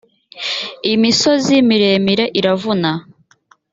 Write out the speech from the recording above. imisozi miremire iravuna.